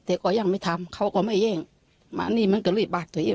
แต่ก็ยังไม่ทำเขาก็ไม่แย่งมานี่มันก็รีบบาดตัวเอง